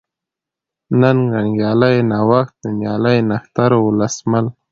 ننگ ، ننگيالی ، نوښت ، نوميالی ، نښتر ، ولسمل